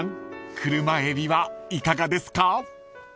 クルマエビはいかがですか？］